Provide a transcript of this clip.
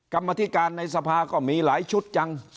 กรรมธิการในสภาก็มีหลายชุดจัง